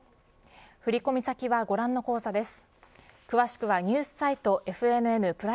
振込先はご覧の口座です。